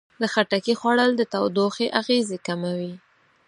د خټکي خوړل د تودوخې اغېزې کموي.